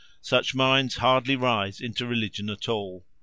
Such minds hardly rise into religion at all.